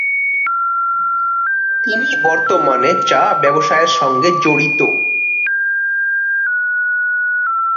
তিনি বর্তমানে চা ব্যবসায়ের সাথে জড়িত।